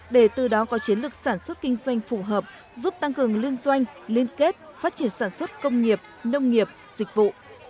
để từ đó có chiến lược sản xuất kinh doanh phù hợp giúp tăng cường liên doanh liên kết phát triển sản xuất công nghiệp nông nghiệp dịch vụ